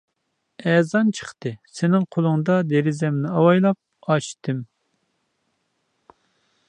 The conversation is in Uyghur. ئەزان چىقتى. سېنىڭ قولۇڭدا دېرىزەمنى ئاۋايلاپ ئاچتىم.